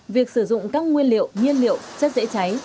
việc sử dụng các nguyên liệu nhiên liệu chất dễ cháy